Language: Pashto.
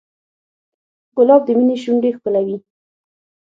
ګلاب د مینې شونډې ښکلوي.